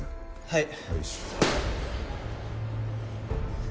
はい。